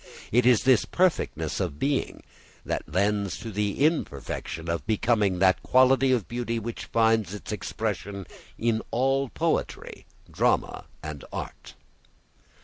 It is this perfectness of being that lends to the imperfection of becoming that quality of beauty which finds its expression in all poetry, drama and art.